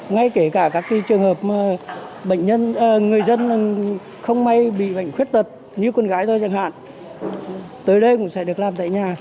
ngay kể cả các trường hợp bệnh người dân không may bị bệnh khuyết tật như con gái thôi chẳng hạn tới đây cũng sẽ được làm tại nhà